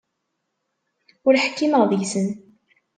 Ur ḥkimeɣ deg-sen.